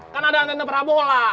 kan ada antena prabola